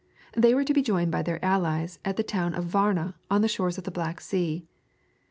They were to be joined by their allies at the town of Varna on the shores of the Black Sea.